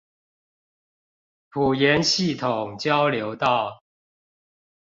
埔鹽系統交流道